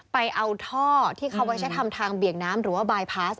ไปเอาท่อที่เขาไว้ใช้ทำทางเบี่ยงน้ำหรือว่าบายพาส